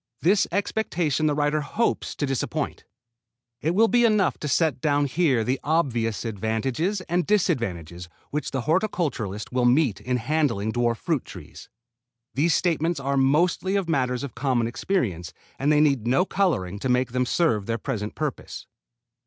This expectation the writer hopes to disappoint. It will be enough to set down here the obvious advantages and disadvantages which the horticulturist will meet in handling dwarf fruit trees. These statements are mostly of matters of common experience and they need no coloring to make them serve their present purpose.